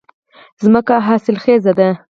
ځمکه حاصلخېزه ده